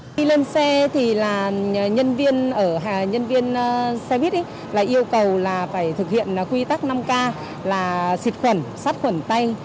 khi lên xe thì nhân viên xe buýt yêu cầu phải thực hiện quy tắc năm k là xịt khuẩn sắt khuẩn tay